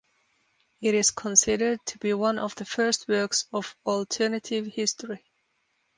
It is considered to be one of the first works of alternative history.